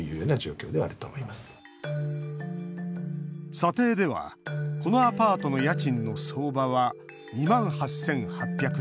査定では、このアパートの家賃の相場は２万８８００円。